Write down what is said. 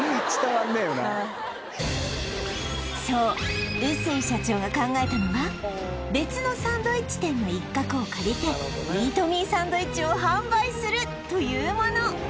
はいそう臼井社長が考えたのは別のサンドイッチ店の一角を借りてイートミーサンドイッチを販売するというもの